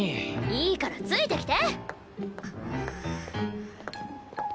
いいからついてきて！